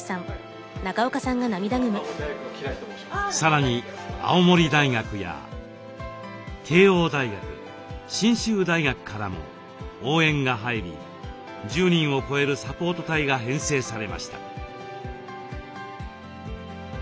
さらに青森大学や慶應大学信州大学からも応援が入り１０人を超えるサポート隊が編成されました。